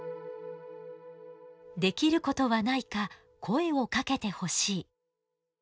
「できることはないか声をかけて欲しい」。